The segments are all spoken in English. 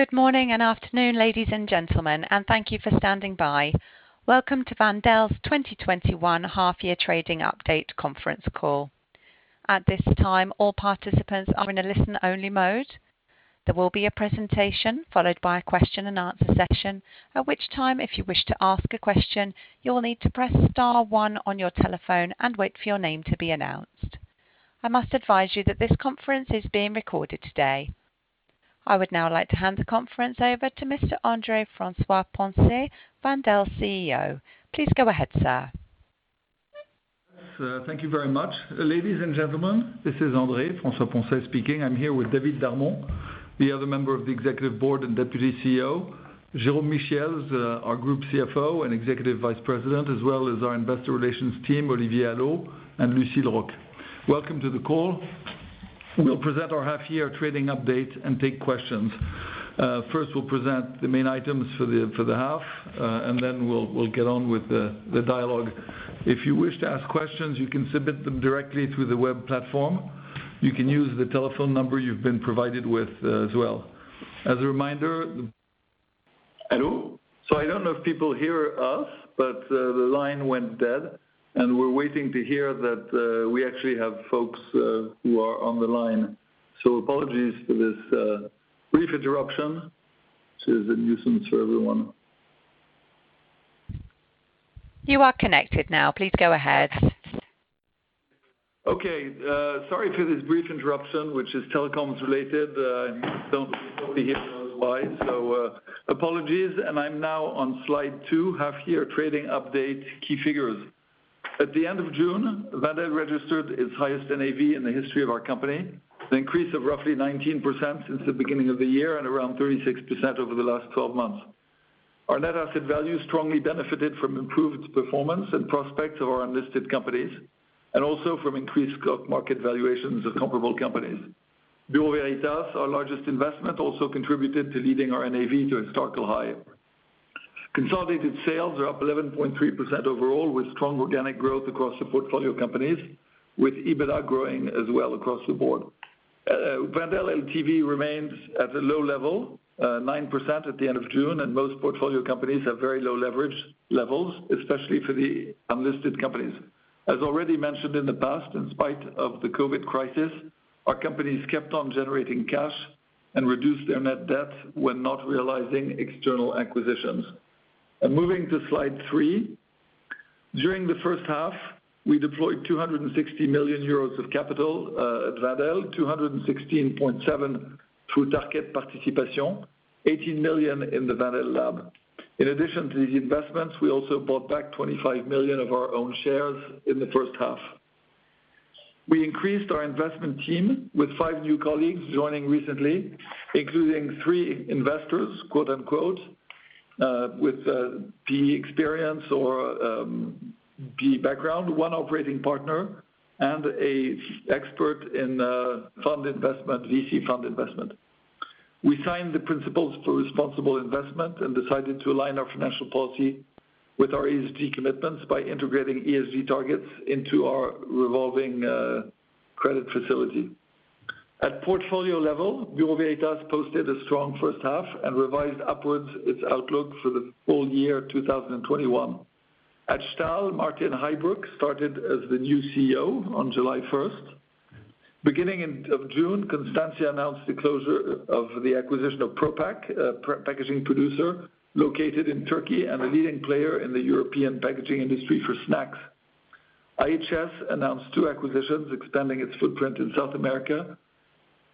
Good morning and afternoon, ladies and gentlemen, and thank you for standing by. Welcome to Wendel's 2021 Half-Year Trading Update Conference Call. At this time, all participants are in a listen-only mode. There will be a presentation followed by a question-and-answer session, at which time, if you wish to ask a question, you will need to press star one on your telephone and wait for your name to be announced. I must advise you that this conference is being recorded today. I would now like to hand the conference over to Mr. André François-Poncet, Wendel's CEO. Please go ahead, sir. Thank you very much. Ladies and gentlemen, this is André François-Poncet speaking. I'm here with David Darmon, the other member of the executive board and Deputy CEO. Jérôme Michiels is our group CFO and Executive Vice-President, as well as our investor relations team, Olivier Allot and Lucile Roch. Welcome to the call. We'll present our half-year trading update and take questions. First, we'll present the main items for the half, and then we'll get on with the dialogue. If you wish to ask questions, you can submit them directly through the web platform. You can use the telephone number you've been provided with as well. As a reminder Hello? I don't know if people hear us, but the line went dead, and we're waiting to hear that we actually have folks who are on the line. Apologies for this brief interruption. This is a nuisance for everyone. You are connected now. Please go ahead. Okay. Sorry for this brief interruption, which is telecoms related. Nobody here knows why. Apologies. I'm now on slide two, half-year trading update key figures. At the end of June, Wendel registered its highest NAV in the history of our company, an increase of roughly 19% since the beginning of the year and around 36% over the last 12 months. Our net asset value strongly benefited from improved performance and prospects of our unlisted companies, and also from increased stock market valuations of comparable companies. Bureau Veritas, our largest investment, also contributed to leading our NAV to a historical high. Consolidated sales are up 11.3% overall, with strong organic growth across the portfolio companies, with EBITDA growing as well across the board. Wendel LTV remains at a low level, 9% at the end of June, and most portfolio companies have very low leverage levels, especially for the unlisted companies. As already mentioned in the past, in spite of the COVID crisis, our companies kept on generating cash and reduced their net debt when not realizing external acquisitions. Moving to slide three. During the first half, we deployed 260 million euros of capital at Wendel, 216.7 million through Tarkett Participation, 80 million in the Wendel Lab. In addition to these investments, we also bought back 25 million of our own shares in the first half. We increased our investment team with 5 new colleagues joining recently, including 3 investors, quote unquote, with PE experience or PE background, one operating partner and an expert in VC fund investment. We signed the Principles for Responsible Investment and decided to align our financial policy with our ESG commitments by integrating ESG targets into our revolving credit facility. At portfolio level, Bureau Veritas posted a strong first half and revised upwards its outlook for the full-year 2021. At Stahl, Maarten Heijbroek started as the new CEO on July 1st. Beginning of June, Constantia announced the closure of the acquisition of Propak, a packaging producer located in Turkey and a leading player in the European packaging industry for snacks. IHS announced two acquisitions expanding its footprint in South America,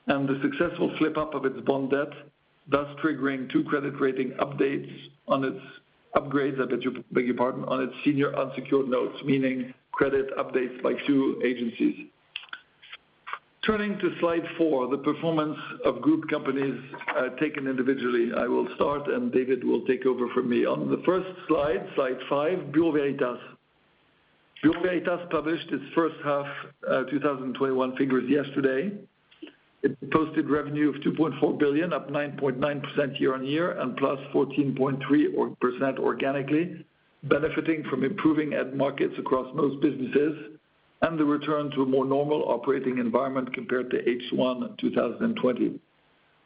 and the successful flip-up of its bond debt, thus triggering two credit rating upgrades on its senior unsecured notes, meaning credit updates by two agencies. Turning to slide four, the performance of group companies taken individually. I will start, and David will take over from me. On the first slide five, Bureau Veritas. Bureau Veritas published its first half 2021 figures yesterday. It posted revenue of 2.4 billion, up 9.9% year-on-year and +14.3% organically, benefiting from improving end markets across most businesses and the return to a more normal operating environment compared to H1 2020.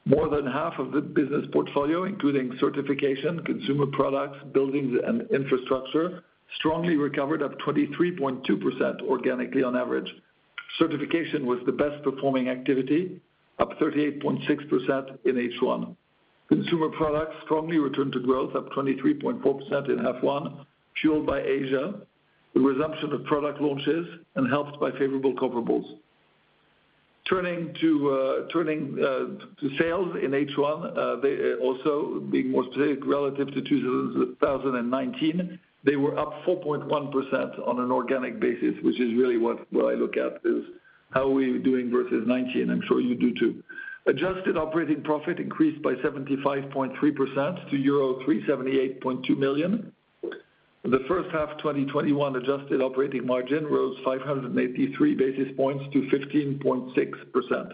More than half of the business portfolio, including certification, consumer products, buildings, and infrastructure, strongly recovered up 23.2% organically on average. Certification was the best performing activity, up 38.6% in H1. Consumer products strongly returned to growth, up 23.4% in H1, fueled by Asia, the resumption of product launches, and helped by favorable comparables. Turning to sales in H1, they also being more strategic relative to 2019. They were up 4.1% on an organic basis, which is really what I look at, is how are we doing versus 2019. I'm sure you do, too. Adjusted operating profit increased by 75.3% to euro 378.2 million. The first half 2021 adjusted operating margin rose 583 basis points to 15.6%.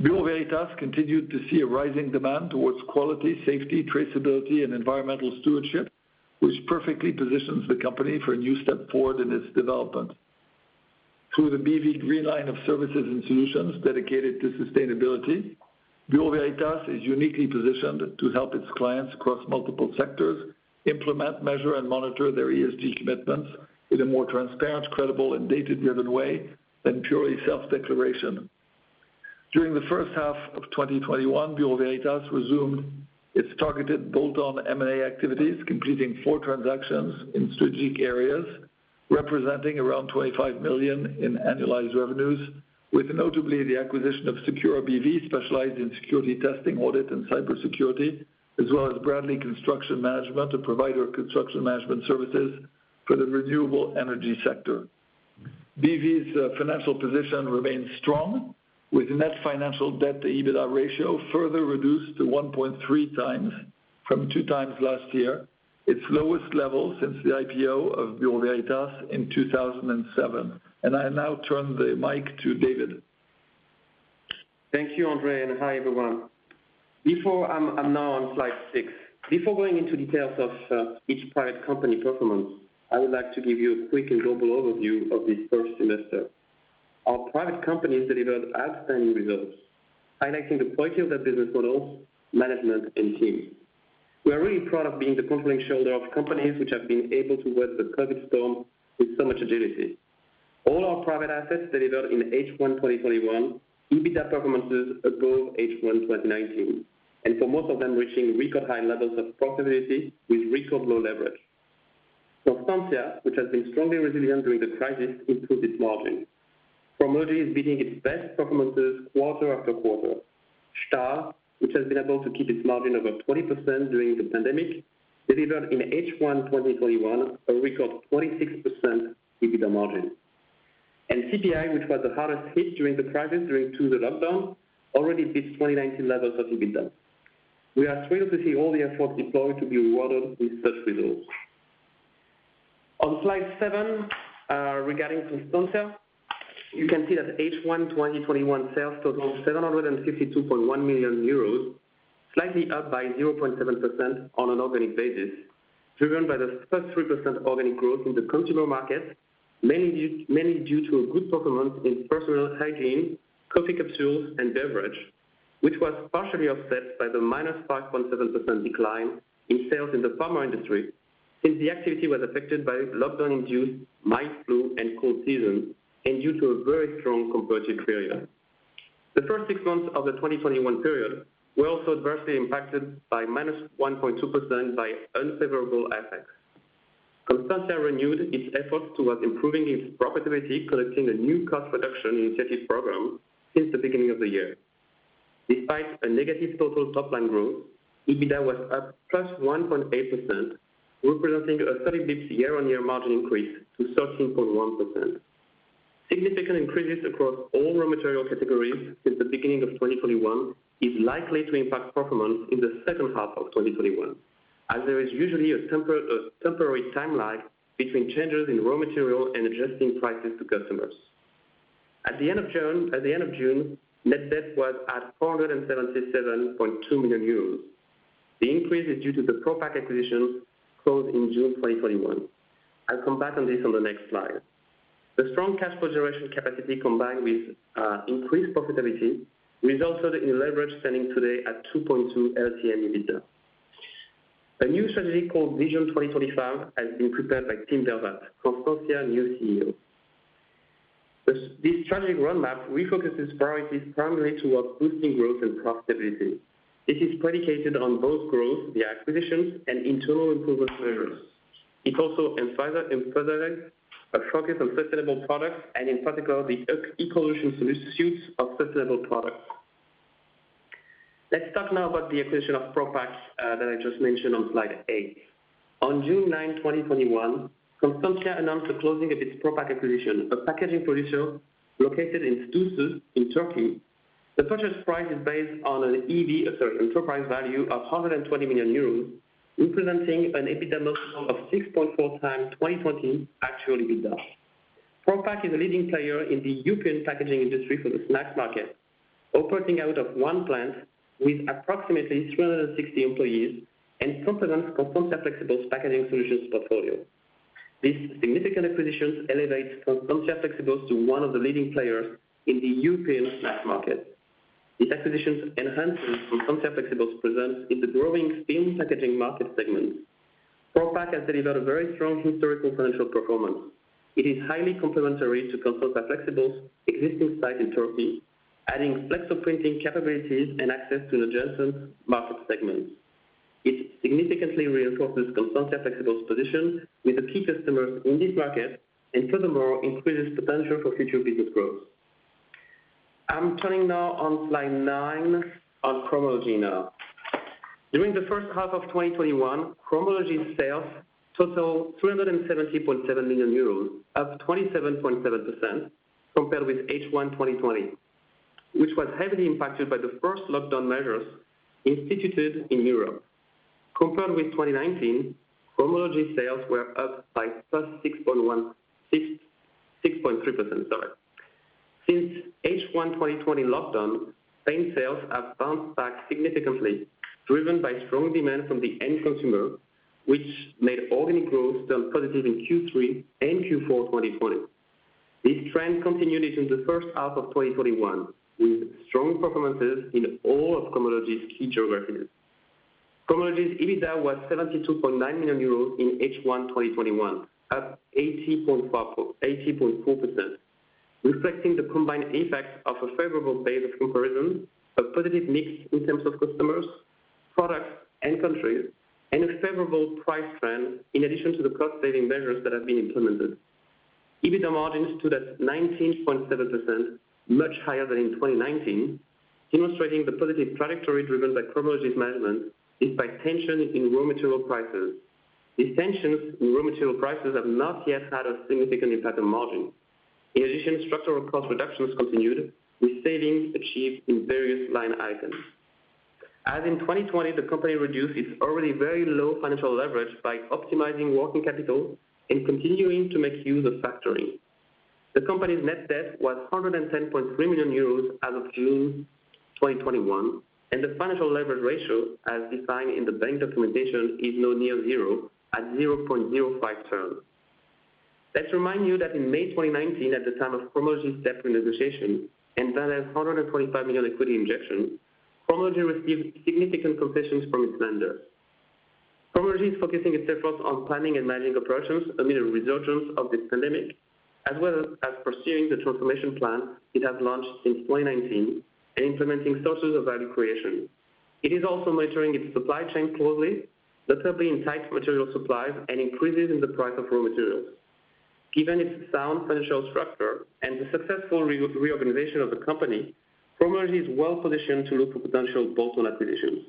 Bureau Veritas continued to see a rising demand towards quality, safety, traceability, and environmental stewardship, which perfectly positions the company for a new step forward in its development. Through the BV Green Line of services and solutions dedicated to sustainability, Bureau Veritas is uniquely positioned to help its clients across multiple sectors implement, measure, and monitor their ESG commitments in a more transparent, credible, and data-driven way than purely self-declaration. During the first half of 2021, Bureau Veritas resumed its targeted bolt-on M&A activities, completing four transactions in strategic areas representing around 25 million in annualized revenues, with notably the acquisition of Secura BV, specialized in security testing, audit, and cybersecurity, as well as Bradley Construction Management, a provider of construction management services for the renewable energy sector. BV's financial position remains strong, with net financial debt to EBITDA ratio further reduced to 1.3x from 2x last year, its lowest level since the IPO of Bureau Veritas in 2007. I now turn the mic to David. Thank you, André. Hi, everyone. I'm now on slide 6. Before going into details of each private company performance, I would like to give you a quick and global overview of this first semester. Our private companies delivered outstanding results, highlighting the quality of their business model, management, and team. We are really proud of being the compelling shareholder of companies which have been able to weather the COVID storm with so much agility. All our private assets delivered in H1 2021 EBITDA performances above H1 2019, and for most of them reaching record high levels of profitability with record low leverage. Constantia, which has been strongly resilient during the crisis, improved its margin. Cromology is beating its best performances quarter after quarter. Stahl, which has been able to keep its margin above 20% during the pandemic, delivered in H1 2021 a record 26% EBITDA margin. CPI, which was the hardest hit during the crisis due to the lockdown, already beats 2019 levels of EBITDA. We are thrilled to see all the efforts deployed to be rewarded with such results. On slide seven, regarding Constantia, you can see that H1 2021 sales totaled 752.1 million euros, slightly up by 0.7% on an organic basis, driven by the first 3% organic growth in the consumer market, mainly due to a good performance in personal hygiene, coffee capsules, and beverage, which was partially offset by the minus 5.7% decline in sales in the pharma industry, since the activity was affected by lockdown-induced mild flu and cold season, and due to a very strong comparative period. The first 6 months of the 2021 period were also adversely impacted by minus 1.2% by unfavorable FX. Constantia renewed its efforts towards improving its profitability, collecting a new cost reduction initiative program since the beginning of the year. Despite a negative total top-line growth, EBITDA was up +1.8%, representing a 30 basis points year-on-year margin increase to 13.1%. Significant increases across all raw material categories since the beginning of 2021 is likely to impact performance in the second half of 2021, as there is usually a temporary timeline between changes in raw material and adjusting prices to customers. At the end of June, net debt was at 477.2 million euros. The increase is due to the Propak acquisition closed in June 2021. I'll come back on this on the next slide. The strong cash flow generation capacity combined with increased profitability resulted in leverage standing today at 2.2 LTM EBITDA. A new strategy called Vision 2025 has been prepared by Pim Vervaat, Constantia's new CEO. This strategic roadmap refocuses priorities primarily towards boosting growth and profitability. It is predicated on both growth via acquisitions and internal improvement measures. It also emphasizes a focus on sustainable products and in particular the Ecolutions solutions of sustainable products. Let's talk now about the acquisition of Propak that I just mentioned on slide eight. On June 9, 2021, Constantia announced the closing of its Propak acquisition, a packaging producer located in Düzce in Turkey. The purchase price is based on an EV, enterprise value, of 120 million euros, representing an EBITDA multiple of 6.4x 2020 actual EBITDA. Propak is a leading player in the European packaging industry for the snack market, operating out of one plant with approximately 360 employees and supplements Constantia Flexibles packaging solutions portfolio. This significant acquisition elevates Constantia Flexibles to one of the leading players in the European snack market. This acquisition enhances Constantia Flexibles presence in the growing film packaging market segment. Propak has delivered a very strong historical financial performance. It is highly complementary to Constantia Flexibles existing site in Turkey, adding flexo printing capabilities and access to adjacent market segments. It significantly reinforces Constantia Flexibles position with the key customers in this market and furthermore increases potential for future business growth. I'm turning now on slide nine on Cromology now. During the first half of 2021, Cromology sales totaled 370.7 million euros, up 27.7% compared with H1 2020, which was heavily impacted by the first lockdown measures instituted in Europe. Compared with 2019, Cromology sales were up by +6.3%. Since H1 2020 lockdown, same sales have bounced back significantly, driven by strong demand from the end consumer, which made organic growth turn positive in Q3 and Q4 2020. This trend continued into the first half of 2021, with strong performances in all of Cromology's key geographies. Cromology's EBITDA was 72.9 million euros in H1 2021, up 80.4%, reflecting the combined effect of a favorable base of comparison, a positive mix in terms of customers, products, and countries, and a favorable price trend, in addition to the cost-saving measures that have been implemented. EBITDA margin stood at 19.7%, much higher than in 2019, demonstrating the positive trajectory driven by Cromology's management despite tension in raw material prices. These tensions in raw material prices have not yet had a significant impact on margin. In addition, structural cost reductions continued, with savings achieved in various line items. As in 2020, the company reduced its already very low financial leverage by optimizing working capital and continuing to make use of factoring. The company's net debt was 110.3 million euros as of June 2021, and the financial leverage ratio, as defined in the bank documentation, is now near zero at 0.05 turn. Let's remind you that in May 2019, at the time of Cromology's debt renegotiation and Wendel's 125 million equity injection, Cromology received significant concessions from its lender. Cromology is focusing its efforts on planning and managing operations amid a resurgence of this pandemic, as well as pursuing the transformation plan it has launched since 2019 and implementing sources of value creation. It is also monitoring its supply chain closely, notably in tight material supplies and increases in the price of raw materials. Given its sound financial structure and the successful reorganization of the company, Cromology is well-positioned to look for potential bolt-on acquisitions.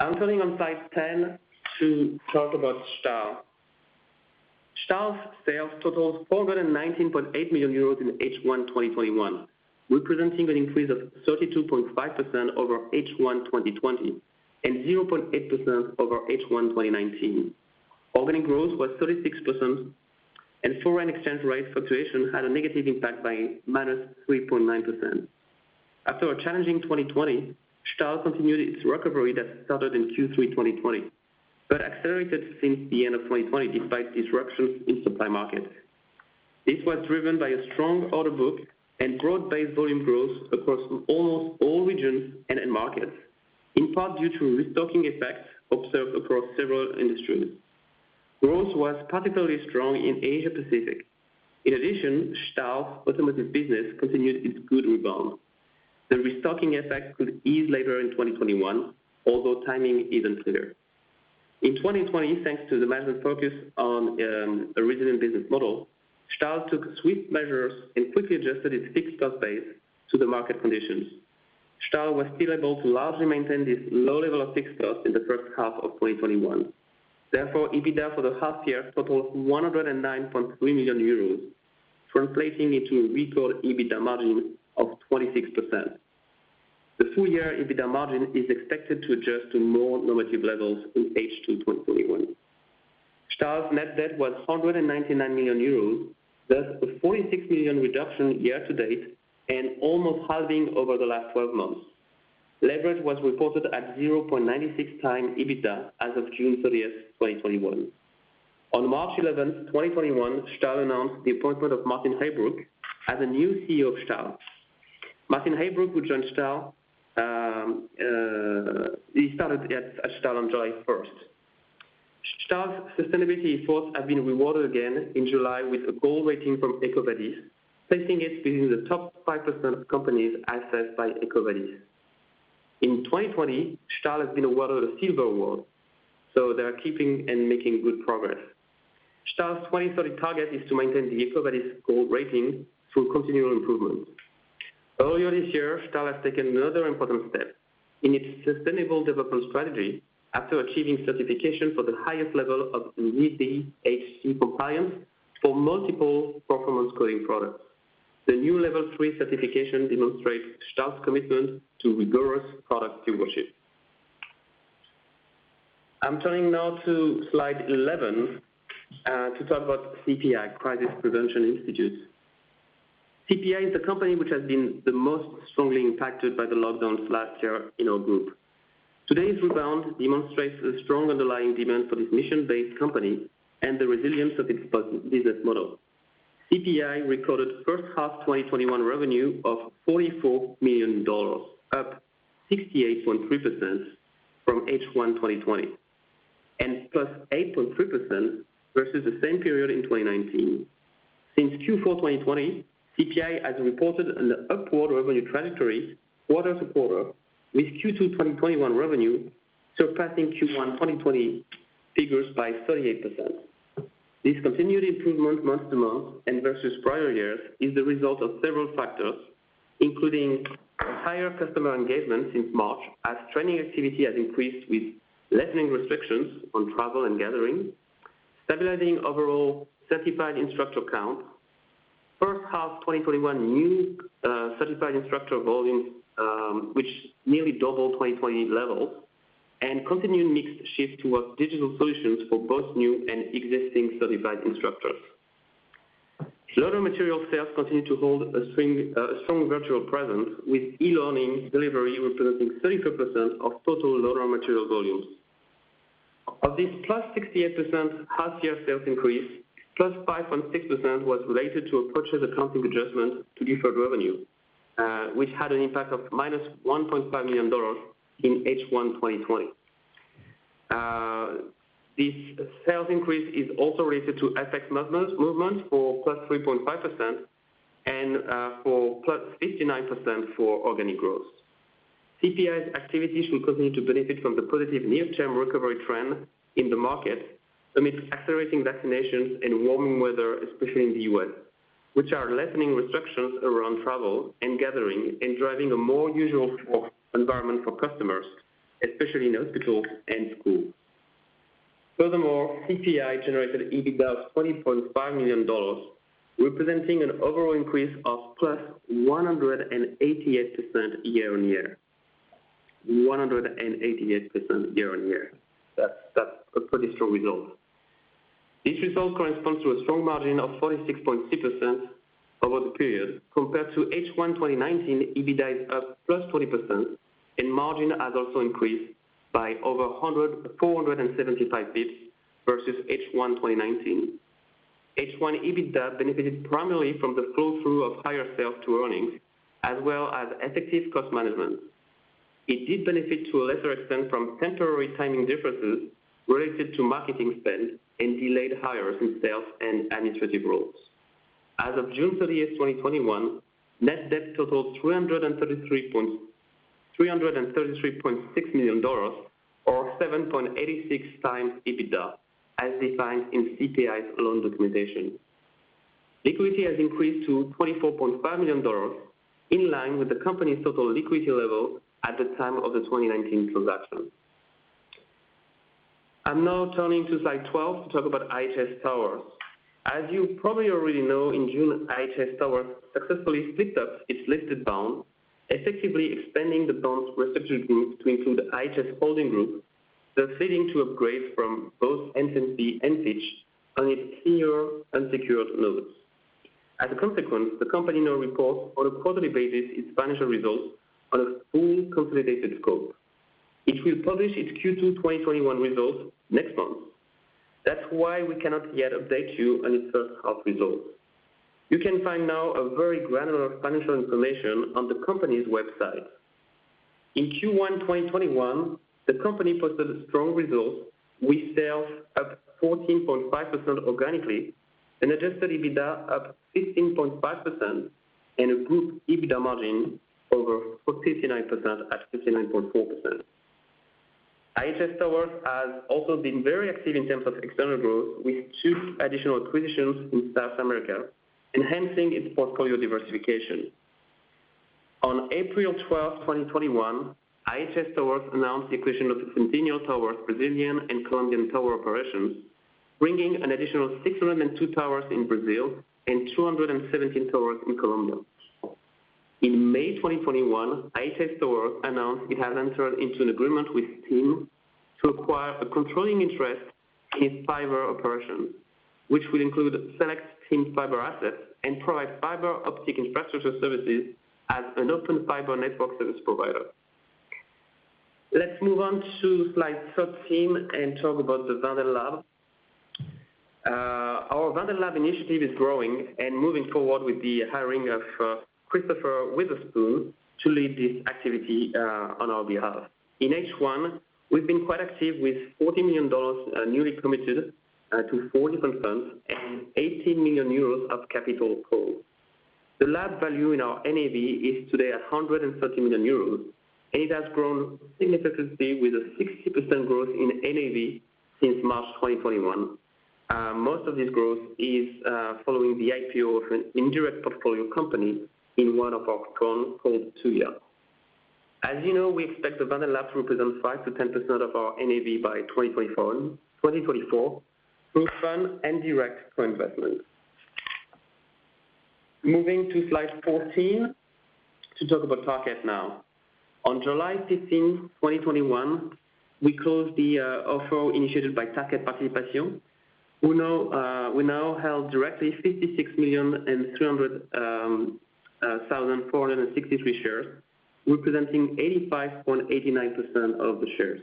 I'm turning on slide 10 to talk about Stahl. Stahl's sales totaled 419.8 million euros in H1 2021, representing an increase of 32.5% over H1 2020 and 0.8% over H1 2019. Organic growth was 36%, and foreign exchange rate fluctuation had a negative impact by minus 3.9%. After a challenging 2020, Stahl continued its recovery that started in Q3 2020 but accelerated since the end of 2020 despite disruptions in supply markets. This was driven by a strong order book and broad-based volume growth across almost all regions and end markets, in part due to restocking effects observed across several industries. Growth was particularly strong in Asia-Pacific. In addition, Stahl automotive business continued its good rebound. The restocking effect could ease later in 2021, although timing is unclear. In 2020, thanks to the management focus on a resilient business model, Stahl took swift measures and quickly adjusted its fixed cost base to the market conditions. Stahl was still able to largely maintain this low level of fixed costs in the first half of 2021. Therefore, EBITDA for the half year totaled 109.3 million euros, translating into a record EBITDA margin of 26%. The full-year EBITDA margin is expected to adjust to more normative levels in H2 2021. Stahl's net debt was 199 million euros, thus a 46 million reduction year to date and almost halving over the last 12 months. Leverage was reported at 0.96 times EBITDA as of June 30th, 2021. On March 11th, 2021, Stahl announced the appointment of Maarten Heijbroek as the new CEO of Stahl. Maarten Heijbroek, who joined Stahl on July 1st. Stahl's sustainability efforts have been rewarded again in July with a gold rating from EcoVadis, placing it within the top 5% of companies assessed by EcoVadis. In 2020, Stahl has been awarded a Silver award, so they are keeping and making good progress. Stahl's 2030 target is to maintain the EcoVadis gold rating through continual improvement. Earlier this year, Stahl has taken another important step in its sustainable development strategy after achieving certification for the highest level of ZDHC compliance for multiple performance coating products. The new level 3 certification demonstrates Stahl's commitment to rigorous product stewardship. I'm turning now to slide 11 to talk about CPI, Crisis Prevention Institute. CPI is the company which has been the most strongly impacted by the lockdowns last year in our group. Today's rebound demonstrates a strong underlying demand for this mission-based company and the resilience of its business model. CPI recorded H1 2021 revenue of $44 million, up 68.3% from H1 2020, and plus 8.3% versus the same period in 2019. Since Q4 2020, CPI has reported an upward revenue trajectory quarter to quarter, with Q2 2021 revenue surpassing Q1 2020 figures by 38%. This continued improvement month to month and versus prior years is the result of several factors, including higher customer engagement since March as training activity has increased with lessening restrictions on travel and gathering, stabilizing overall certified instructor count, first half 2021 new certified instructor volumes, which nearly double 2020 levels and continued mixed shift towards digital solutions for both new and existing certified instructors. Learner material sales continue to hold a strong virtual presence with e-learning delivery representing 35% of total learner material volumes. Of this +68% half-year sales increase, +5.6% was related to a purchase accounting adjustment to deferred revenue, which had an impact of -$1.5 million in H1 2020. This sales increase is also related to FX movement for +3.5% and for +59% for organic growth. CPI's activities will continue to benefit from the positive near-term recovery trend in the market amidst accelerating vaccinations and warming weather, especially in the U.S., which are lessening restrictions around travel and gathering and driving a more usual environment for customers, especially in hospitals and schools. CPI generated EBITDA of $20.5 million, representing an overall increase of +188% year-over-year. That's a pretty strong result. This result corresponds to a strong margin of 46.6% over the period compared to H1 2019, EBITDA is up +20%, and margin has also increased by over 475 basis points versus H1 2019. H1 EBITDA benefited primarily from the flow-through of higher sales to earnings as well as effective cost management. It did benefit to a lesser extent from temporary timing differences related to marketing spend and delayed hires in sales and administrative roles. As of June 30th, 2021, net debt totaled $333.6 million or 7.86x EBITDA as defined in CPI's loan documentation. Liquidity has increased to $24.5 million, in line with the company's total liquidity level at the time of the 2019 transaction. I'm now turning to slide 12 to talk about IHS Towers. As you probably already know, in June, IHS Towers successfully flipped up its listed bond, effectively expanding the bond's receptive group to include the IHS holding group, thus [inaudible] from both S&P and Fitch on its senior unsecured notes. As a consequence, the company now reports on a quarterly basis its financial results on a full consolidated scope. It will publish its Q2 2021 results next month. That's why we cannot yet update you on its first half results. You can find now a very granular financial information on the company's website. In Q1 2021, the company posted a strong result with sales up 14.5% organically and adjusted EBITDA up 15.5% and a group EBITDA margin over 69% at 69.4%. IHS Towers has also been very active in terms of external growth with two additional acquisitions in South America, enhancing its portfolio diversification. On April 12, 2021, IHS Towers announced the acquisition of Centennial Towers' Brazilian and Colombian tower operations, bringing an additional 602 towers in Brazil and 217 towers in Colombia. In May 2021, IHS Towers announced it has entered into an agreement with TIM to acquire a controlling interest in fiber operations, which will include select TIM fiber assets and provide fiber optic infrastructure services as an open fiber network service provider. Let's move on to slide 13 and talk about the Wendel Lab. Our Wendel Lab initiative is growing and moving forward with the hiring of Chris Witherspoon to lead this activity on our behalf. In H1, we've been quite active with EUR 40 million newly committed to four different firms and 80 million euros of capital called. The lab value in our NAV is today 130 million euros, and it has grown significantly with a 60% growth in NAV since March 2021. Most of this growth is following the IPO of an indirect portfolio company in one of our fund called Tuya Inc. As you know, we expect the Wendel Lab to represent 5%-10% of our NAV by 2044 through fund and direct co-investment. Moving to slide 14 to talk about Tarkett now. On July 15, 2021, we closed the offer initiated by Tarkett Participations. We now held directly 56,300,463 shares, representing 85.89% of the shares.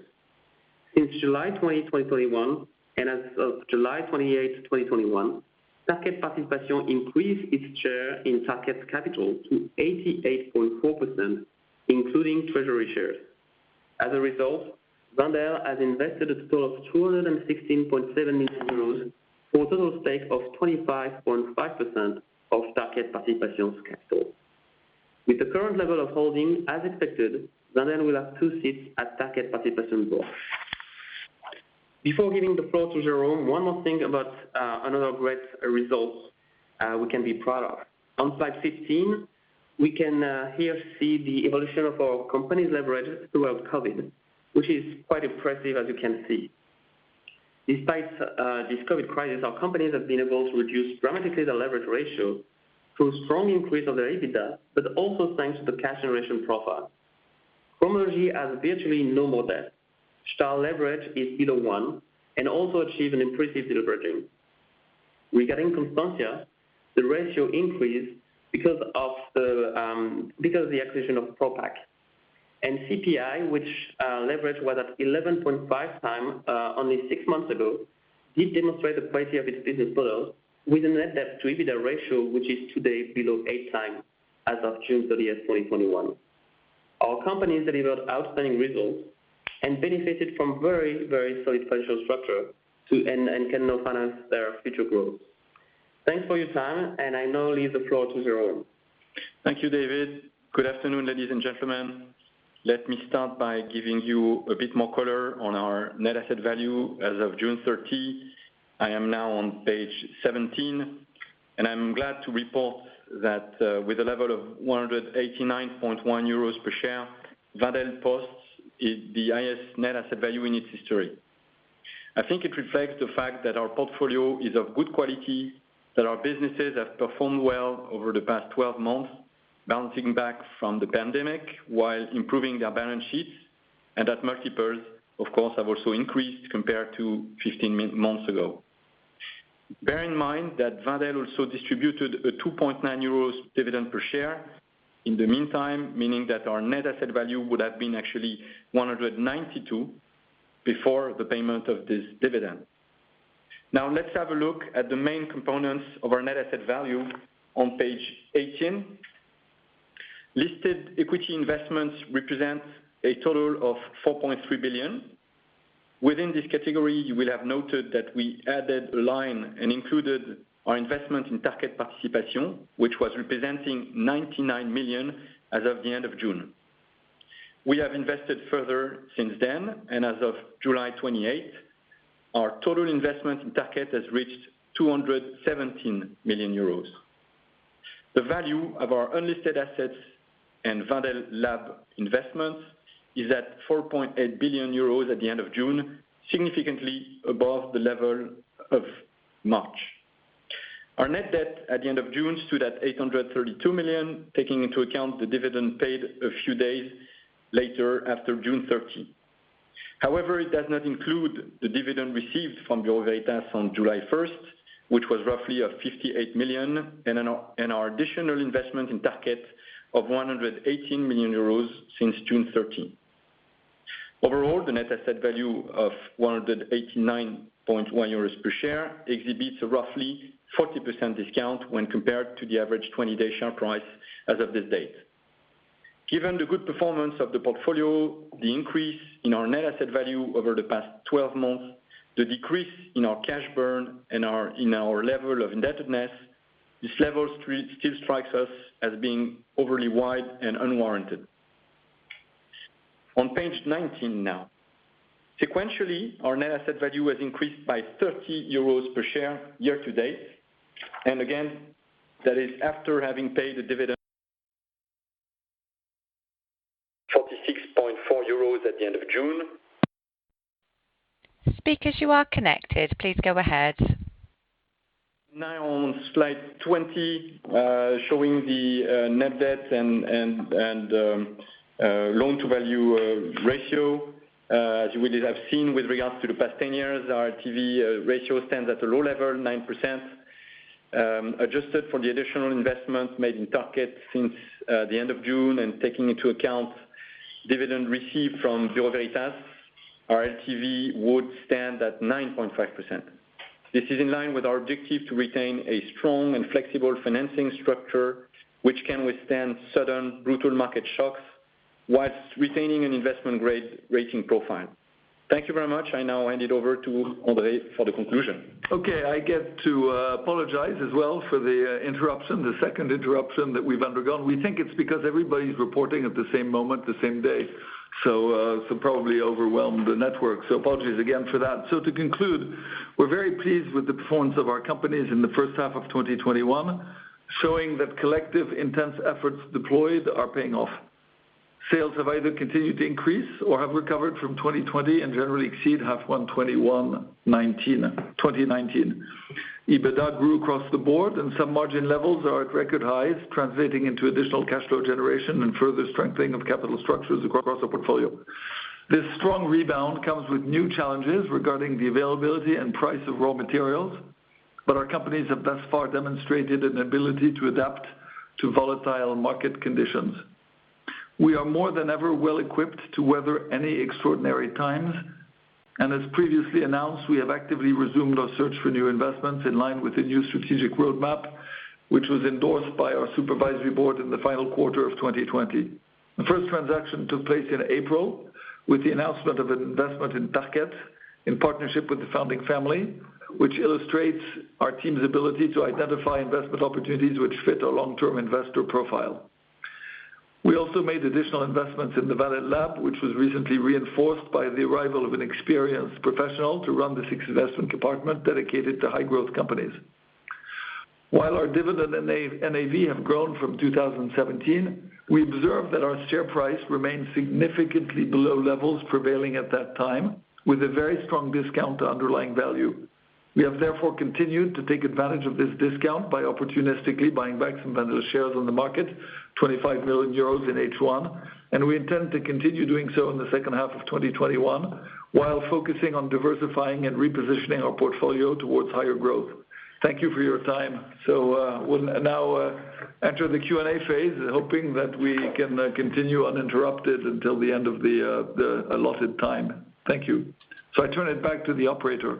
Since July 20, 2021, and as of July 28th, 2021, Tarkett Participations increased its share in Tarkett's capital to 88.4%, including treasury shares. As a result, Wendel has invested a total of 216.7 million euros for a total stake of 25.5% of Tarkett Participations capital. With the current level of holding as expected, Wendel will have two seats at Tarkett Participations board. Before giving the floor to Jérôme, one more thing about another great result we can be proud of. On slide 15, we can here see the evolution of our company's leverage throughout COVID, which is quite impressive, as you can see. Despite this COVID crisis, our companies have been able to reduce dramatically the leverage ratio through strong increase of their EBITDA, but also thanks to the cash generation profile. Cromology has virtually no more debt. Stahl leverage is either one, and also achieve an impressive deleveraging. Regarding Constantia, the ratio increased because of the acquisition of Propak. CPI, which leverage was at 11.5 times only 6 months ago, did demonstrate the quality of its business model with a net debt to EBITDA ratio, which is today below 8x as of June 30th, 2021. Our companies delivered outstanding results and benefited from very solid financial structure and can now finance their future growth. Thanks for your time, and I now leave the floor to Jérôme. Thank you, David. Good afternoon, ladies and gentlemen. Let me start by giving you a bit more color on our net asset value as of June 30. I am now on page 17, and I'm glad to report that with a level of 189.1 euros per share, Wendel posts the highest net asset value in its history. I think it reflects the fact that our portfolio is of good quality, that our businesses have performed well over the past 12 months, bouncing back from the pandemic while improving their balance sheets, and that multiples, of course, have also increased compared to 15 months ago. Bear in mind that Wendel also distributed a 2.9 euros dividend per share in the meantime, meaning that our net asset value would have been actually 192 before the payment of this dividend. Let's have a look at the main components of our net asset value on page 18. Listed equity investments represent a total of 4.3 billion. Within this category, you will have noted that we added a line and included our investment in Tarkett Participation, which was representing 99 million as of the end of June. We have invested further since then, as of July 28th, our total investment in Tarkett has reached 217 million euros. The value of our unlisted assets and Wendel Lab investments is at 4.8 billion euros at the end of June, significantly above the level of March. Our net debt at the end of June stood at 832 million, taking into account the dividend paid a few days later after June 30. However, it does not include the dividend received from Bureau Veritas on July 1st, which was roughly at 58 million, and our additional investment in Tarkett of 118 million euros since June 30. Overall, the net asset value of 189.1 euros per share exhibits a roughly 40% discount when compared to the average 20-day share price as of this date. Given the good performance of the portfolio, the increase in our net asset value over the past 12 months, the decrease in our cash burn and in our level of indebtedness, this level still strikes us as being overly wide and unwarranted. On page 19 now. Sequentially, our net asset value has increased by 30 euros per share year to date. Again, that is after having paid the dividend 46.4 euros at the end of June. Speakers, you are connected. Please go ahead. On slide 20, showing the net debt and loan to value ratio. As we have seen with regards to the past 10 years, our LTV ratio stands at a low level, 9%. Adjusted for the additional investment made in Tarkett since the end of June and taking into account dividend received from Bureau Veritas, our LTV would stand at 9.5%. This is in line with our objective to retain a strong and flexible financing structure, which can withstand sudden brutal market shocks whilst retaining an investment-grade rating profile. Thank you very much. I now hand it over to André for the conclusion. Okay. I get to apologize as well for the interruption, the second interruption that we've undergone. We think it's because everybody's reporting at the same moment, the same day. Probably overwhelmed the network. Apologies again for that. To conclude, we're very pleased with the performance of our companies in the first half of 2021, showing that collective intense efforts deployed are paying off. Sales have either continued to increase or have recovered from 2020 and generally exceed half one 2019. EBITDA grew across the board and some margin levels are at record highs, translating into additional cash flow generation and further strengthening of capital structures across our portfolio. This strong rebound comes with new challenges regarding the availability and price of raw materials, but our companies have thus far demonstrated an ability to adapt to volatile market conditions. We are more than ever well-equipped to weather any extraordinary times. As previously announced, we have actively resumed our search for new investments in line with the new strategic roadmap, which was endorsed by our supervisory board in the final quarter of 2020. The first transaction took place in April with the announcement of an investment in Tarkett in partnership with the founding family, which illustrates our team's ability to identify investment opportunities which fit our long-term investor profile. We also made additional investments in the Wendel Lab, which was recently reinforced by the arrival of an experienced professional to run the sixth investment department dedicated to high growth companies. While our dividend and NAV have grown from 2017, we observed that our share price remains significantly below levels prevailing at that time, with a very strong discount to underlying value. We have therefore continued to take advantage of this discount by opportunistically buying back some Wendel shares on the market, 25 million euros in H1, and we intend to continue doing so in the second half of 2021, while focusing on diversifying and repositioning our portfolio towards higher growth. Thank you for your time. We'll now enter the Q&A phase, hoping that we can continue uninterrupted until the end of the allotted time. Thank you. I turn it back to the operator.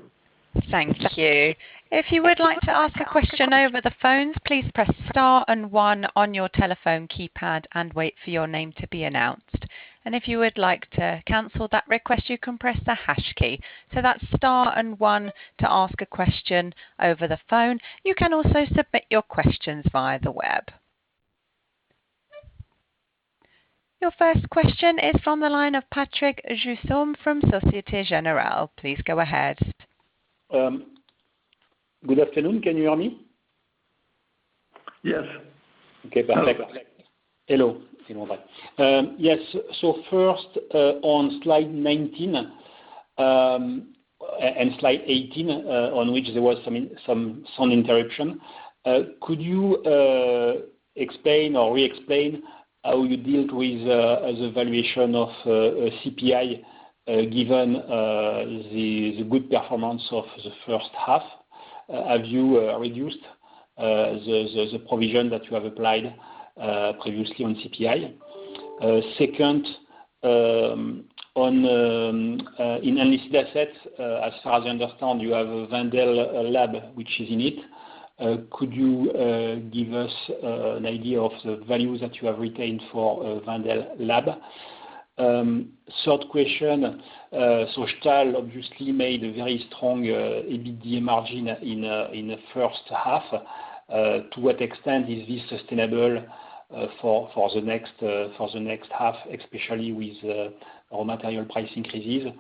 Thank you. If you would like to ask a question over the phone, please press star and one on your telephone keypad and wait for your name to be announced. If you would like to cancel that request, you can press the hash key. That's star and one to ask a question over the phone. You can also submit your questions via the web. Your first question is from the line of Patrick Jousseaume from Societe Generale. Please go ahead. Good afternoon. Can you hear me? Yes. Okay, perfect. Hello. Yes. First, on slide 19 and slide 18, on which there was some sound interruption, could you explain or re-explain how you dealt with the valuation of CPI, given the good performance of the first half? Have you reduced the provision that you have applied previously on CPI? Second, in unlisted assets, as far as I understand, you have a Wendel Lab, which is in it. Could you give us an idea of the value that you have retained for Wendel Lab? Third question. Stahl obviously made a very strong EBITDA margin in the first half. To what extent is this sustainable for the next half, especially with raw material price increases?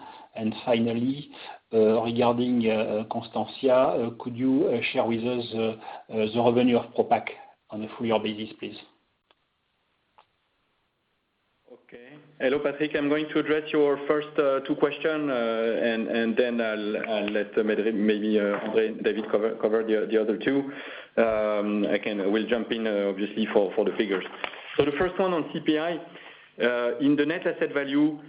Finally, regarding Constantia, could you share with us the revenue of Propak on a full-year basis, please? Hello, Patrick. I am going to address your first two question. Then I will let maybe David cover the other two. We will jump in obviously for the figures. The first one on CPI. In the net asset value,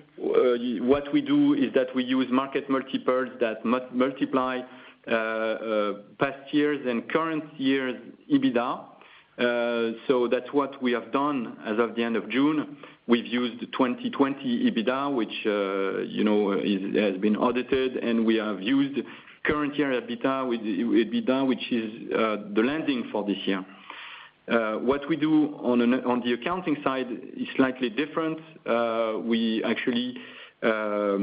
what we do is that we use market multiples that multiply past years and current year's EBITDA. That is what we have done as of the end of June. We have used the 2020 EBITDA, which has been audited. We have used current year EBITDA, which is the landing for this year. What we do on the accounting side is slightly different. We actually have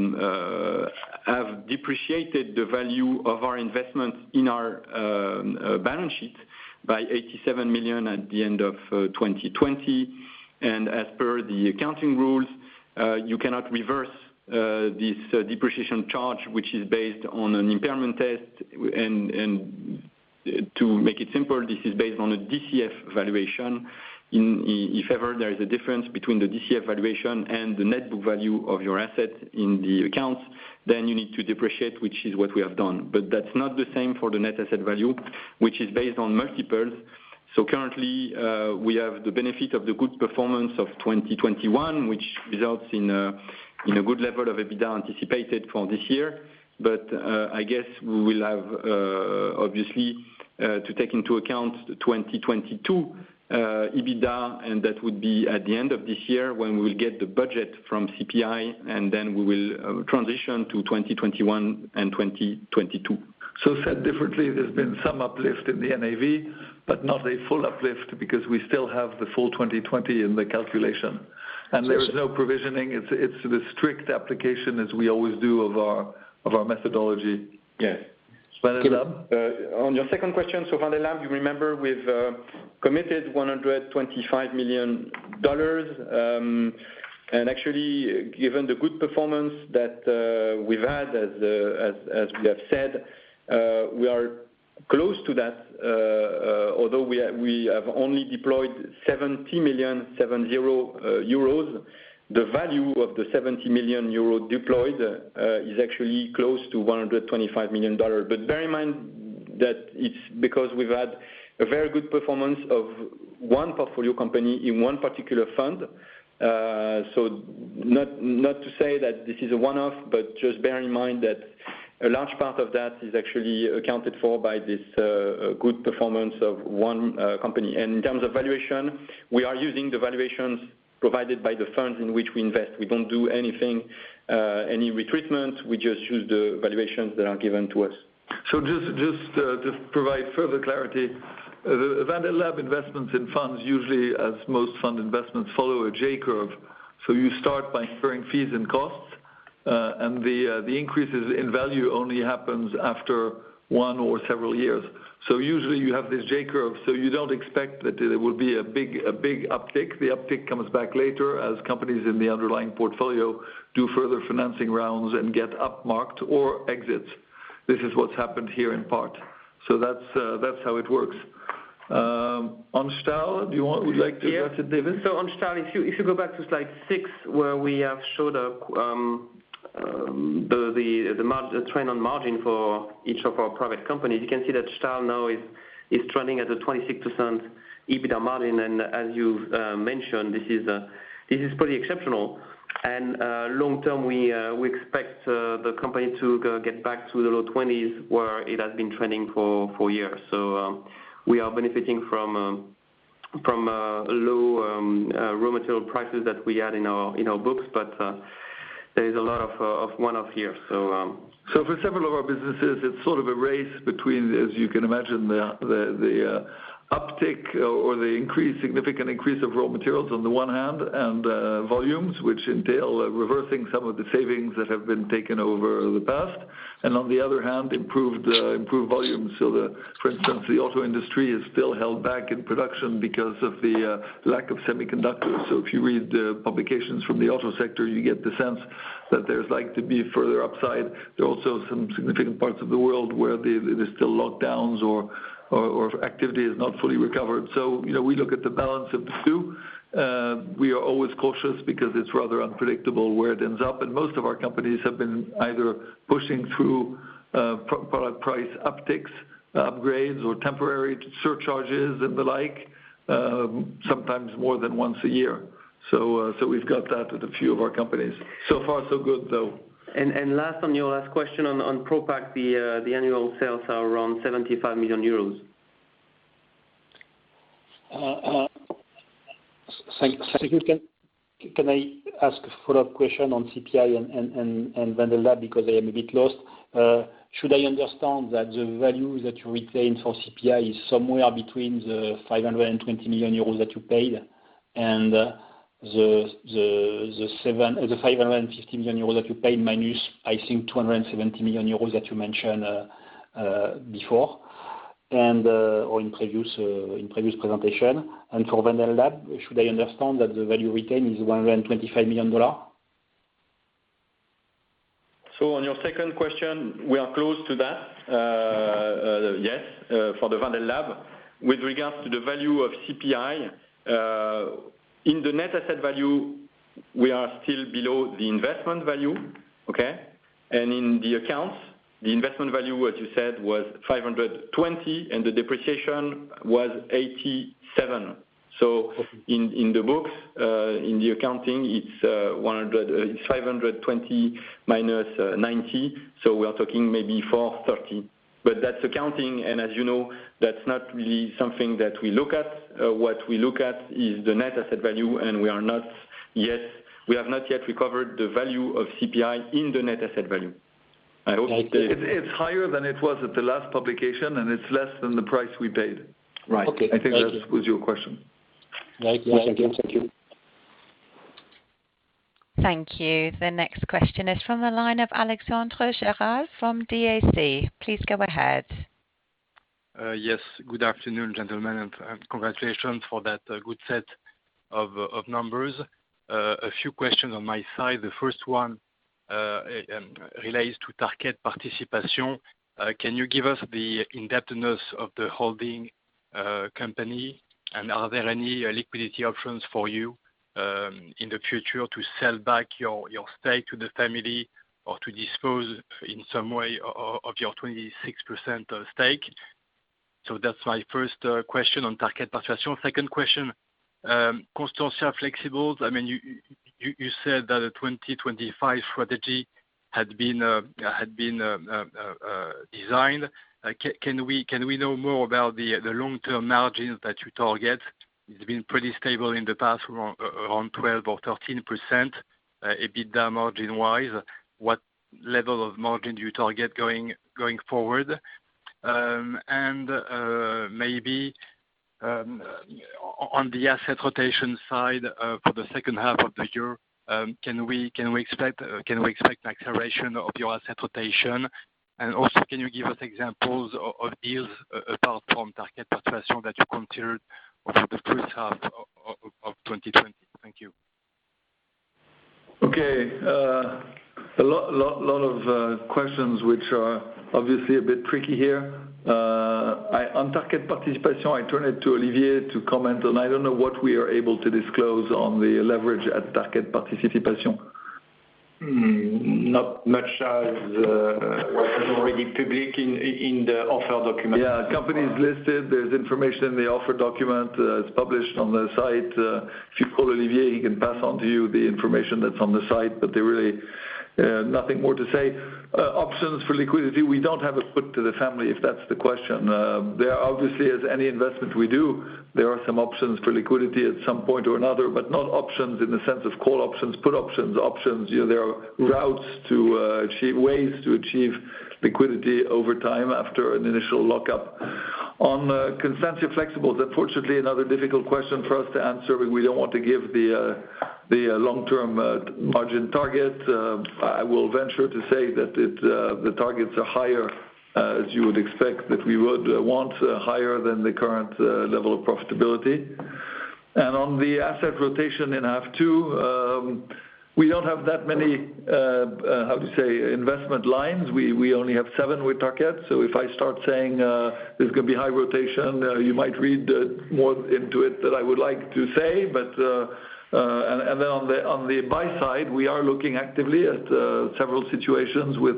depreciated the value of our investment in our balance sheet by $87 million at the end of 2020. As per the accounting rules, you cannot reverse this depreciation charge, which is based on an impairment test. To make it simpler, this is based on a DCF valuation. If ever there is a difference between the DCF valuation and the net book value of your asset in the accounts, you need to depreciate, which is what we have done. That's not the same for the net asset value, which is based on multiples. Currently, we have the benefit of the good performance of 2021, which results in a good level of EBITDA anticipated for this year. I guess we will have, obviously, to take into account 2022 EBITDA, that would be at the end of this year when we will get the budget from CPI, we will transition to 2021 and 2022. Said differently, there's been some uplift in the NAV, but not a full uplift because we still have the full 2020 in the calculation. There is no provisioning. It's the strict application as we always do of our methodology. Yes. Wendel Lab? On your second question, Wendel Lab, you remember we've committed $125 million. Actually, given the good performance that we've had, as we have said, we are close to that. Although we have only deployed 70 million, 70 euros. The value of the 70 million euro deployed is actually close to $125 million. Bear in mind that it's because we've had a very good performance of one portfolio company in one particular fund. Not to say that this is a one-off, but just bear in mind that a large part of that is actually accounted for by this good performance of one company. In terms of valuation, we are using the valuations provided by the funds in which we invest. We don't do anything, any retreatments. We just use the valuations that are given to us. Just to provide further clarity, the Wendel Lab investments in funds, usually as most fund investments, follow a J-curve. You start by incurring fees and costs, and the increases in value only happens after one or several years. Usually you have this J-curve, so you don't expect that there will be a big uptick. The uptick comes back later as companies in the underlying portfolio do further financing rounds and get up marked or exit. This is what's happened here in part. That's how it works. On Stahl, do you would like to address it, David? Yes. On Stahl, if you go back to slide 6, where we have showed the trend on margin for each of our private companies, you can see that Stahl now is trending at a 26% EBITDA margin. As you've mentioned, this is pretty exceptional. Long-term, we expect the company to get back to the low 20s, where it has been trending for years. We are benefiting from low raw material prices that we had in our books, but there is a lot of one-off here. For several of our businesses, it's sort of a race between, as you can imagine, the uptick or the significant increase of raw materials on the one hand, and volumes, which entail reversing some of the savings that have been taken over the past. On the other hand, improved volumes. For instance, the auto industry is still held back in production because of the lack of semiconductors. If you read the publications from the auto sector, you get the sense that there's like to be further upside. There are also some significant parts of the world where there's still lockdowns or activity is not fully recovered. We look at the balance of the two. We are always cautious because it's rather unpredictable where it ends up, and most of our companies have been either pushing through product price upticks, upgrades, or temporary surcharges and the like, sometimes more than once a year. We've got that with a few of our companies. So far so good, though. Last, on your last question on Propak, the annual sales are around 75 million euros. Thank you. Can I ask a follow-up question on CPI and Wendel Lab, because I am a bit lost. Should I understand that the value that you retain for CPI is somewhere between the 520 million euros that you paid and the 550 million euros that you paid minus, I think, 270 million euros that you mentioned before, or in previous presentation. For Wendel Lab, should I understand that the value retained is EUR 125 million? On your second question, we are close to that. Yes, for the Wendel Lab. With regards to the value of CPI, in the net asset value, we are still below the investment value. Okay. In the accounts, the investment value, as you said, was 520, and the depreciation was 87. In the books, in the accounting, it's 520 minus 90. We are talking maybe 430. That's accounting, and as you know, that's not really something that we look at. What we look at is the net asset value, and we have not yet recovered the value of CPI in the net asset value. It's higher than it was at the last publication, and it's less than the price we paid. Right. Okay. Thank you. I think that was your question. Right. Thank you. Thank you. The next question is from the line of Alexandre Gérard from CIC. Please go ahead. Yes. Good afternoon, gentlemen, and congratulations for that good set of numbers. A few questions on my side. The first one relates to Tarkett Participation. Can you give us the indebtedness of the holding company, and are there any liquidity options for you in the future to sell back your stake to the family or to dispose in some way of your 26% stake? That's my first question on Tarkett Participation. Second question, Constantia Flexibles. You said that the Vision 2025 had been designed. Can we know more about the long-term margins that you target? It's been pretty stable in the past, around 12% or 13% EBITDA margin-wise. What level of margin do you target going forward? Maybe on the asset rotation side for the second half of the year, can we expect an acceleration of your asset rotation? Also, can you give us examples of deals apart from Tarkett Participation that you considered for the first half of 2020? Thank you. Okay. A lot of questions which are obviously a bit tricky here. On Tarkett Participation, I turn it to Olivier to comment on. I don't know what we are able to disclose on the leverage at Tarkett Participation. Not much as what is already public in the offer document. Yeah. Company's listed. There's information in the offer document. It's published on the site. If you call Olivier, he can pass on to you the information that's on the site. There really nothing more to say. Options for liquidity, we don't have a put to the family, if that's the question. There obviously is any investment we do, there are some options for liquidity at some point or another, but not options in the sense of call options, put options. There are routes to achieve, ways to achieve liquidity over time after an initial lockup. On Constantia Flexibles, unfortunately, another difficult question for us to answer. We don't want to give the long-term margin target. I will venture to say that the targets are higher, as you would expect that we would want higher than the current level of profitability. On the asset rotation in H2, we don't have that many, how to say, investment lines. We only have seven with Tarkett. If I start saying there's going to be high rotation, you might read more into it than I would like to say. On the buy side, we are looking actively at several situations with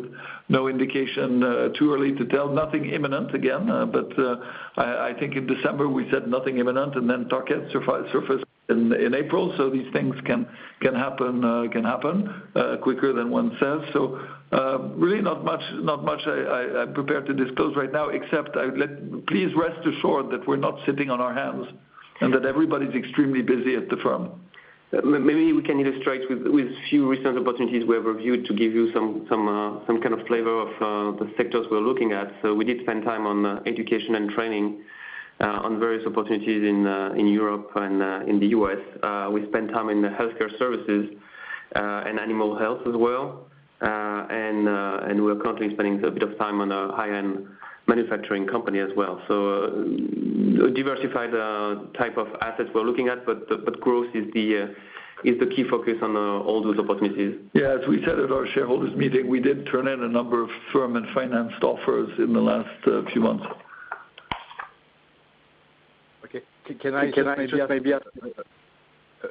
no indication, too early to tell, nothing imminent again. I think in December we said nothing imminent and then Tarkett surfaced in April. These things can happen quicker than one says. Really not much I'm prepared to disclose right now, except please rest assured that we're not sitting on our hands and that everybody's extremely busy at the firm. Maybe we can illustrate with few recent opportunities we have reviewed to give you some kind of flavor of the sectors we're looking at. We did spend time on education and training on various opportunities in Europe and in the U.S. We spent time in healthcare services and animal health as well. We're currently spending a bit of time on a high-end manufacturing company as well. Diversified type of assets we're looking at, but growth is the key focus on all those opportunities. Yeah. As we said at our shareholders meeting, we did turn in a number of firm and financed offers in the last few months. Okay. Can I just maybe ask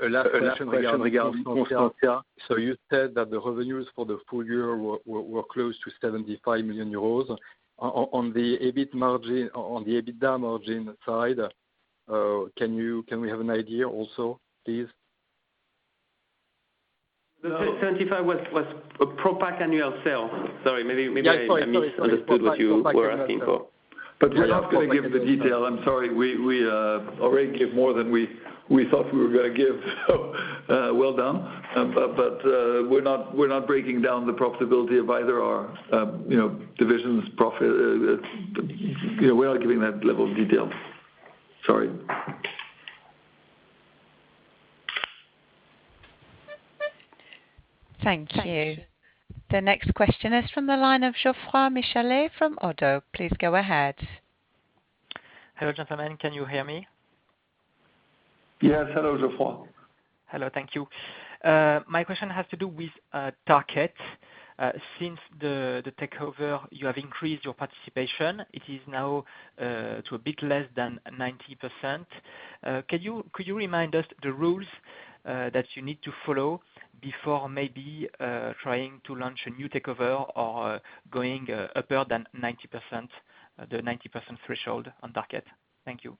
a last question regarding Constantia? You said that the revenues for the full-year were close to 75 million euros. On the EBITDA margin side, can we have an idea also, please? 75 was a Propak annual sale. Sorry, maybe I misunderstood what you were asking for. We're not going to give the detail. I'm sorry. We already gave more than we thought we were going to give, well done. We're not breaking down the profitability of either our divisions profit. We aren't giving that level of detail. Sorry. Thank you. The next question is from the line of Geoffroy Michalet from Oddo. Please go ahead. Hello, gentlemen. Can you hear me? Yes. Hello, Geoffroy. Hello. Thank you. My question has to do with Tarkett. Since the takeover, you have increased your participation. It is now to a bit less than 90%. Could you remind us the rules that you need to follow before maybe trying to launch a new takeover or going above the 90% threshold on Tarkett? Thank you.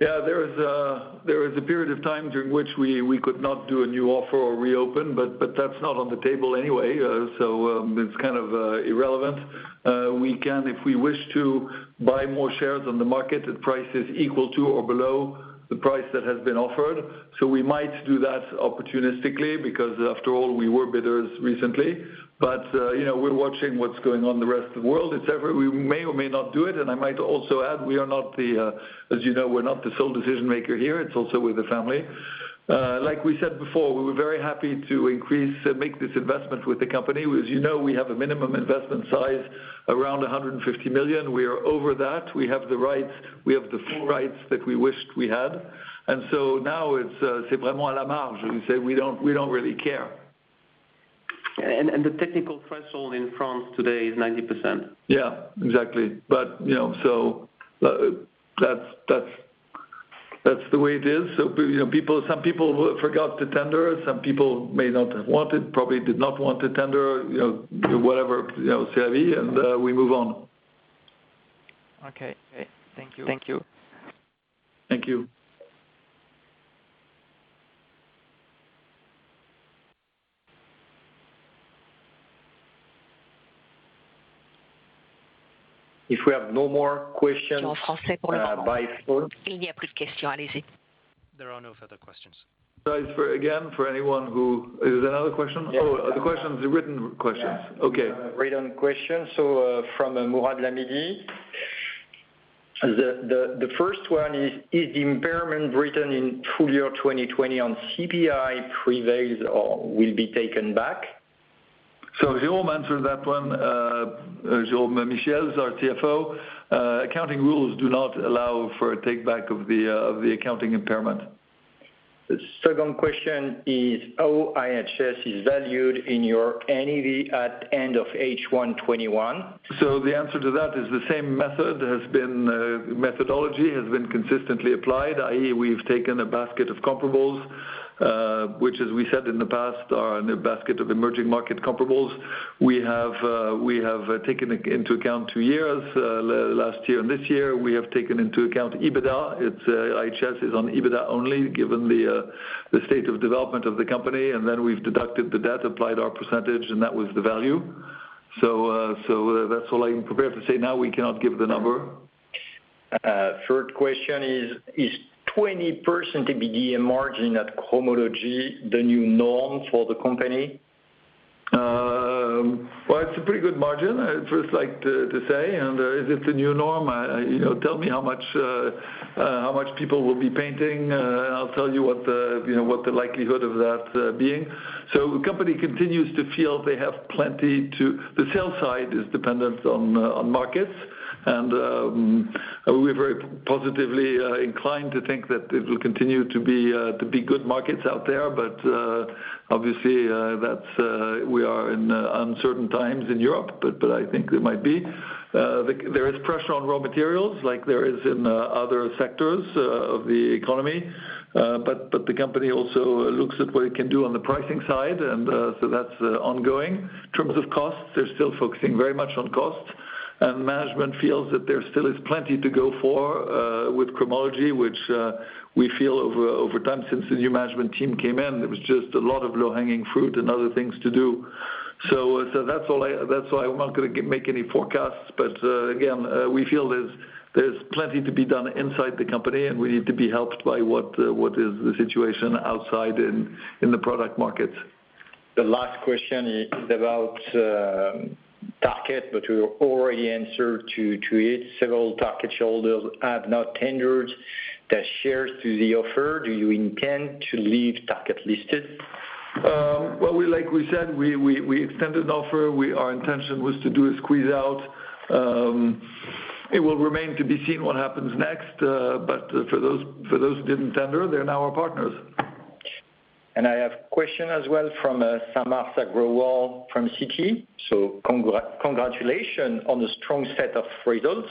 Yeah, there was a period of time during which we could not do a new offer or reopen. That's not on the table anyway, so it's kind of irrelevant. We can, if we wish to, buy more shares on the market at prices equal to or below the price that has been offered. We might do that opportunistically because after all, we were bidders recently. We're watching what's going on the rest of the world. We may or may not do it. I might also add, as you know, we're not the sole decision maker here. It's also with the family. Like we said before, we were very happy to make this investment with the company. As you know, we have a minimum investment size around 150 million. We are over that. We have the rights. We have the full rights that we wished we had. Now it's we say we don't really care. The technical threshold in France today is 90%. Yeah, exactly. That's the way it is. Some people forgot to tender, some people may not have wanted, probably did not want to tender, whatever, and we move on. Okay. Thank you. Thank you. If we have no more questions by phone. There are no further questions. Again, for anyone who Is there another question? Oh, the question is a written question. Okay. Written question. From Mourad Lahmidi. The first one is, the impairment written in full-year 2020 on CPI prevails or will be taken back? Jerome Michiels answered that one. Jérôme Michiels, our CFO. Accounting rules do not allow for a take back of the accounting impairment. The second question is, how IHS is valued in your NAV at end of H1 2021? The answer to that is the same methodology has been consistently applied, i.e., we've taken a basket of comparables, which as we said in the past, are a basket of emerging market comparables. We have taken into account two years, last year and this year. We have taken into account EBITDA. IHS is on EBITDA only given the state of development of the company. Then we've deducted the debt, applied our percentage, and that was the value. That's all I'm prepared to say. We cannot give the number. Third question is 20% EBITDA margin at Cromology the new norm for the company? It's a pretty good margin, I'd first like to say. Is it the new norm? Tell me how much people will be painting, I'll tell you what the likelihood of that being. The company continues to feel they have plenty to the sales side is dependent on markets, and we're very positively inclined to think that it will continue to be good markets out there. Obviously, we are in uncertain times in Europe, but I think it might be. There is pressure on raw materials like there is in other sectors of the economy. The company also looks at what it can do on the pricing side, and so that's ongoing. In terms of costs, they're still focusing very much on costs, and management feels that there still is plenty to go for with Cromology, which we feel over time, since the new management team came in, there was just a lot of low-hanging fruit and other things to do. That's all. I'm not going to make any forecasts, but again, we feel there's plenty to be done inside the company, and we need to be helped by what is the situation outside in the product markets. The last question is about Tarkett, which we already answered to it. Several Tarkett shareholders have now tendered their shares to the offer. Do you intend to leave Tarkett listed? Well, like we said, we extended an offer. Our intention was to do a squeeze out. It will remain to be seen what happens next. For those who didn't tender, they're now our partners. I have a question as well from Samar Agrawal from Citi. Congratulations on the strong set of results.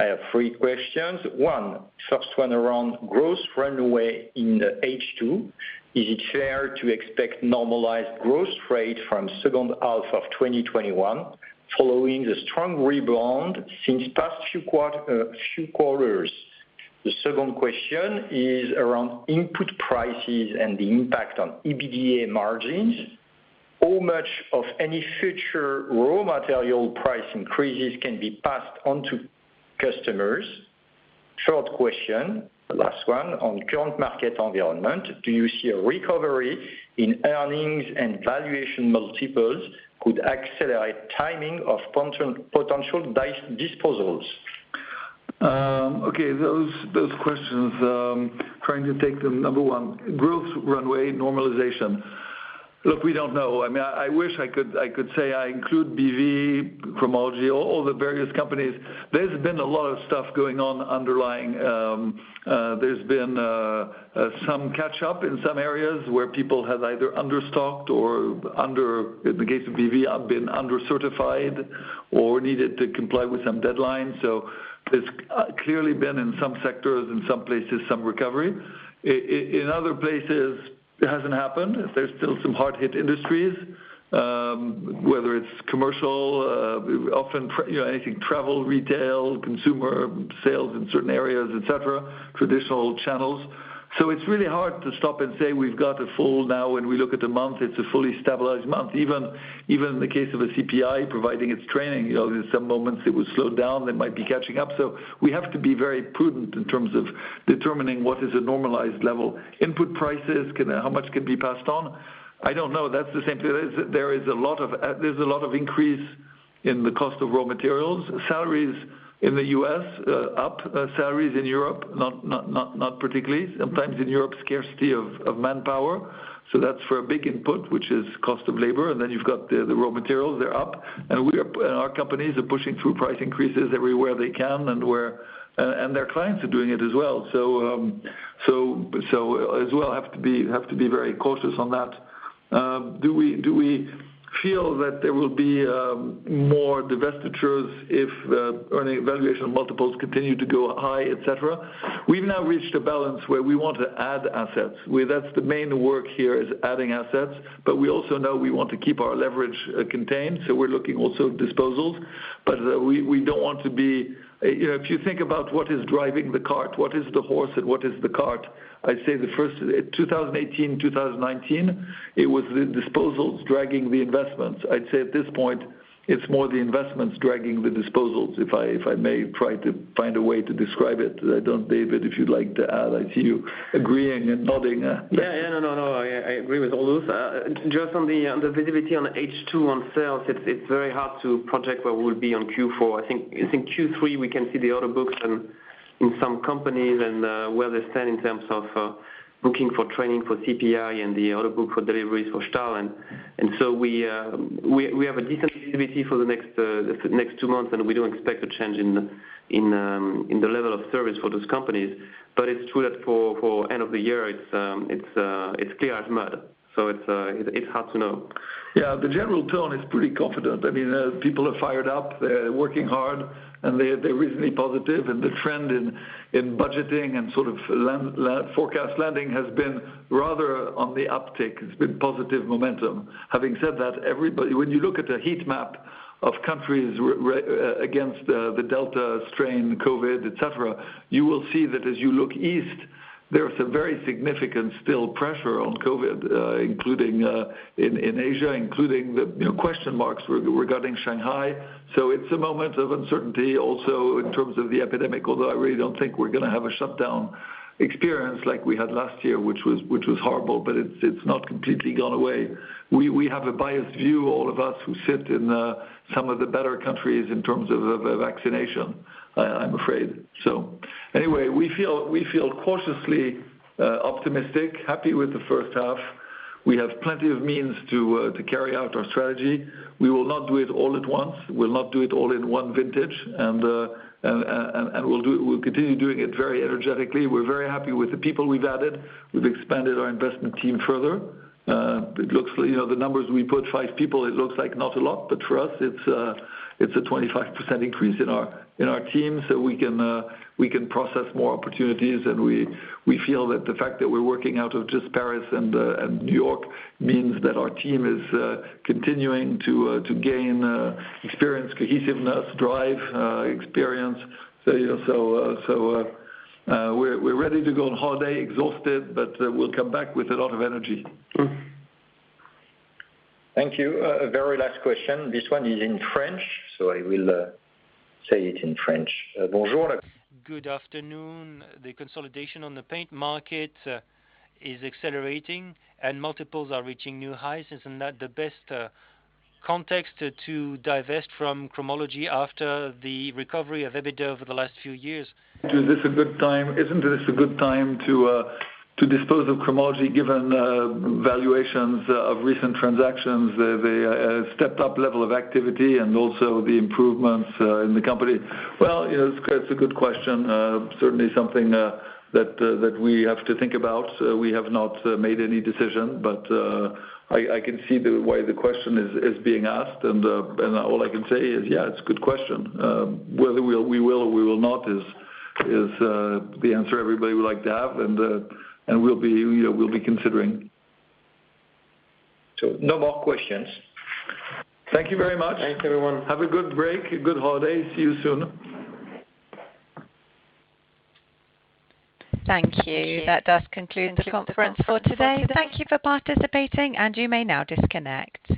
I have three questions. One. first one around growth runway in H2. Is it fair to expect normalized growth rate from second half of 2021 following the strong rebound since past few quarters? The second question is around input prices and the impact on EBITDA margins. How much of any future raw material price increases can be passed on to customers? Short question, last one, on current market environment. Do you see a recovery in earnings and valuation multiples could accelerate timing of potential disposals? Okay. Those questions, trying to take them. Number one, growth runway normalization. Look, we don't know. I wish I could say I include BV, Cromology, all the various companies. There's been a lot of stuff going on underlying. There's been some catch up in some areas where people have either under stocked or under, in the case of BV, have been under certified or needed to comply with some deadlines. In other places, it hasn't happened. There's still some hard-hit industries, whether it's commercial, anything travel, retail, consumer sales in certain areas, et cetera, traditional channels. It's really hard to stop and say, we've got a full now and we look at the month, it's a fully stabilized month. Even in the case of a CPI providing its training, there's some moments it will slow down, they might be catching up. We have to be very prudent in terms of determining what is a normalized level. Input prices, how much can be passed on? I don't know. That's the same thing. There's a lot of increase in the cost of raw materials. Salaries in the U.S. are up. Salaries in Europe, not particularly. Sometimes in Europe, scarcity of manpower. That's for a big input, which is cost of labor. Then you've got the raw materials, they're up. Our companies are pushing through price increases everywhere they can, and their clients are doing it as well. As well, have to be very cautious on that. Do we feel that there will be more divestitures if valuation multiples continue to go high, et cetera? We've now reached a balance where we want to add assets. That's the main work here is adding assets. We also know we want to keep our leverage contained, so we're looking also at disposals. If you think about what is driving the cart, what is the horse and what is the cart? I'd say the first, 2018, 2019, it was the disposals dragging the investments. I'd say at this point, it's more the investments dragging the disposals, if I may try to find a way to describe it. I don't, David, if you'd like to add. I see you agreeing and nodding. No, I agree with all those. On the visibility on H2 on sales, it's very hard to project where we'll be on Q4. I think Q3, we can see the order books in some companies and where they stand in terms of booking for training for CPI and the order book for deliveries for Stahl. We have a decent visibility for the next two months, and we don't expect a change in the level of service for those companies. It's true that for end of the year, it's clear as mud. It's hard to know. Yeah, the general tone is pretty confident. People are fired up, they're working hard, and they're reasonably positive. The trend in budgeting and sort of forecast landing has been rather on the uptick. It's been positive momentum. Having said that, when you look at a heat map of countries against the Delta strain, COVID, et cetera, you will see that as you look east, there is a very significant still pressure on COVID, including in Asia, including the question marks regarding Shanghai. It's a moment of uncertainty also in terms of the epidemic, although I really don't think we're going to have a shutdown experience like we had last year, which was horrible, but it's not completely gone away. We have a biased view, all of us who sit in some of the better countries in terms of vaccination, I'm afraid. Anyway, we feel cautiously optimistic, happy with the first half. We have plenty of means to carry out our strategy. We will not do it all at once. We'll not do it all in one vintage, and we'll continue doing it very energetically. We're very happy with the people we've added. We've expanded our investment team further. The numbers we put, five people, it looks like not a lot, but for us, it's a 25% increase in our team, so we can process more opportunities. We feel that the fact that we're working out of just Paris and New York means that our team is continuing to gain experience, cohesiveness, drive experience. We're ready to go on holiday exhausted, but we'll come back with a lot of energy. Thank you. Very last question. This one is in French. I will say it in French. Good afternoon. The consolidation on the paint market is accelerating and multiples are reaching new highs. Isn't that the best context to divest from Cromology after the recovery of EBITDA over the last few years? Isn't this a good time to dispose of Cromology given valuations of recent transactions, the stepped up level of activity, and also the improvements in the company? Well, it's a good question. Certainly, something that we have to think about. We have not made any decision, but I can see why the question is being asked, and all I can say is, yeah, it's a good question. Whether we will or we will not is the answer everybody would like to have, and we'll be considering. No more questions. Thank you very much. Thanks, everyone. Have a good break, a good holiday. See you soon. Thank you. That does conclude the conference for today. Thank you for participating, and you may now disconnect.